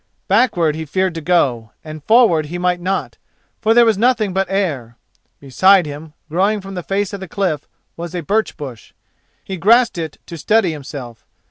Backward he feared to go, and forward he might not, for there was nothing but air. Beside him, growing from the face of the cliff, was a birch bush. He grasped it to steady himself.